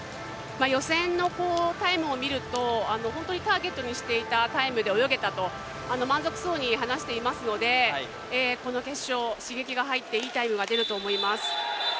予選のタイムを見ると、本当にターゲットにしていたタイムで泳げたと満足そうに話していますのでこの決勝、刺激が入っていいタイムが出ると思います。